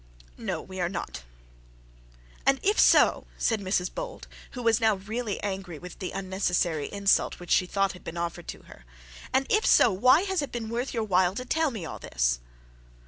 'No, we are not.' 'And if so,' said Mrs Bold, who was now really angry with the unnecessary insult, which she thought had been offered to her, 'and if so, why has it been worth your while to tell me all this?'